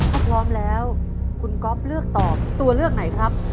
ถ้าพร้อมแล้วคุณก๊อฟเลือกตอบตัวเลือกไหนครับ